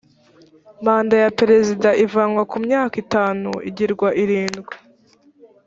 manda ya perezida ivanwa ku myaka itanu igirwa irindwi.